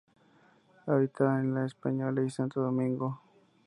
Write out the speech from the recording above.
Habita en La Española y Santo Domingo.